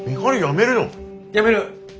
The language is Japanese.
やめる。